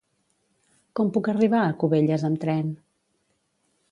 Com puc arribar a Cubelles amb tren?